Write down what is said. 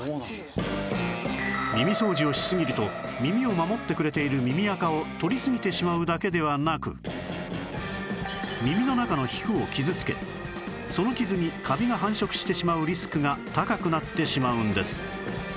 耳掃除をしすぎると耳を守ってくれている耳垢を取りすぎてしまうだけではなく耳の中の皮膚を傷つけその傷にカビが繁殖してしまうリスクが高くなってしまうんです